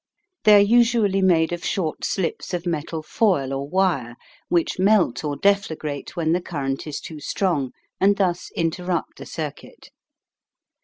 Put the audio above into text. They are usually made of short slips of metal foil or wire, which melt or deflagrate when the current is too strong, and thus interrupt the circuit.